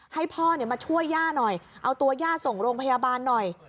ให้พ่อมาช่วยย่าหน่อยเอาตัวย่าส่งโรงพยาบาลหน่อย